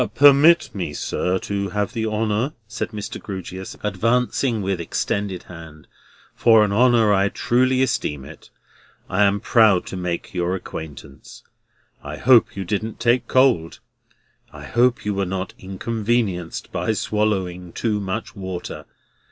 Permit me, sir, to have the honour," said Mr. Grewgious, advancing with extended hand, "for an honour I truly esteem it. I am proud to make your acquaintance. I hope you didn't take cold. I hope you were not inconvenienced by swallowing too much water.